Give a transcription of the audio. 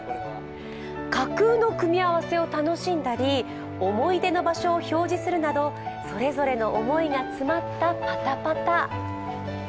架空の組み合わせを楽しんだり思い出の場所を表示するなどそれぞれの思いが詰まったパタパタ。